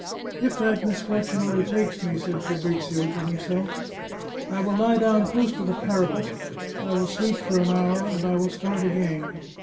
" If that misfortune overtakes me," said Fabrizio to himself, " I will lie down close to the parapet ; I will sleep for an hour, and I will start again.